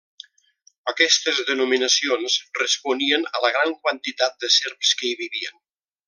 Aquestes denominacions responien a la gran quantitat de serps que hi vivien.